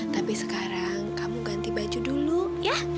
tapi sekarang kamu ganti baju dulu ya